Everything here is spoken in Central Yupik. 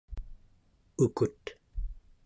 ukut